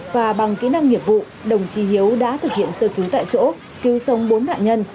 và bằng kỹ năng nghiệp vụ đồng chí hiếu đã thực hiện sơ cứu tại chỗ cứu sống bốn nạn nhân